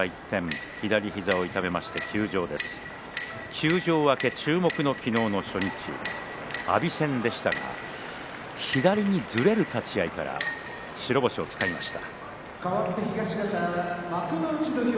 休場明け、阿炎戦でしたが左にずれる立ち合いから白星をつかみました。